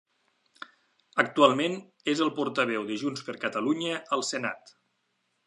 Actualment, és el Portaveu de Junts per Catalunya al Senat.